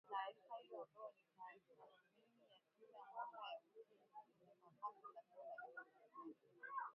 taarifa hiyo ambayo ni tathmini ya kila mwaka ya uchumi ilisema pato la taifa la Uganda